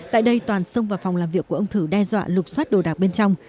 tại đây toàn xông vào phòng làm việc của ông thử đe dọa lục xoát đồ đạc bên trong